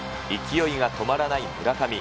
勢いが止まらない村上。